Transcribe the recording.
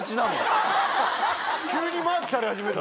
・急にマークされ始めた。